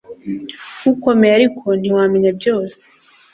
ukomeye ariko ntiwamenya byose